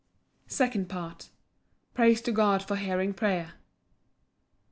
Second Part. Praise to God for hearing prayer.